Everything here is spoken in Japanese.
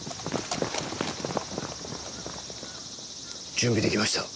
準備できました。